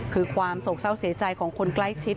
คือความโศกเศร้าเสียใจของคนใกล้ชิด